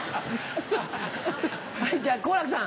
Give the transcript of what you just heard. はいじゃあ好楽さん。